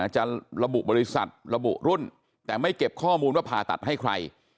จะระบุบริษัทระบุรุ่นแต่ไม่เก็บข้อมูลว่าผ่าตัดให้ใคร